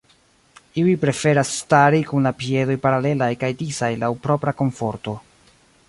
Iuj preferas stari kun la piedoj paralelaj kaj disaj laŭ propra komforto.